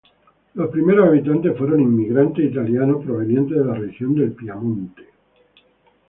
Los primeros habitantes fueron inmigrantes italianos provenientes de la región de Piamonte.